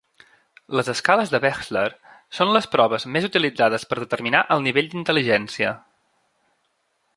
Les escales de Wechsler són les proves més utilitzades per determinar el nivell d'intel·ligència.